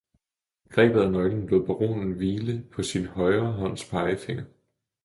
Grebet af nøglen lod baronen hvile på sin højre hånds pegefinger.